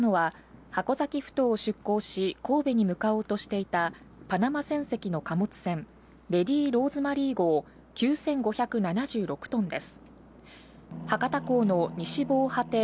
衝突したのは箱崎ふ頭を出港し神戸に向かおうとしていたパナマ船籍の貨物船、ＬＡＤＹＲＯＳＥＭＡＲＹ号、９５７６トンです。